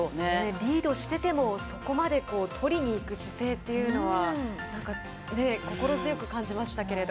リードしていてもそこまでとりにいく姿勢というのはなんか、心強く感じましたけど。